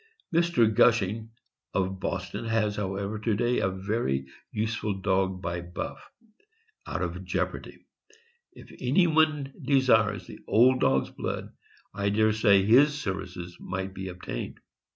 Mr. Gushing, of Bos ton, has, however, to day a very useful dog by Buff, out of Jeopardy. If anyone desires the old dog's blood, I dare say his services might be obtained.